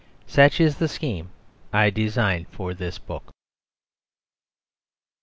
Such is the scheme I design for this book.